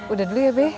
udah dulu ya be